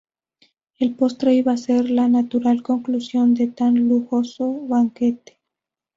El postre iba a ser la natural conclusión de tan lujoso banquete.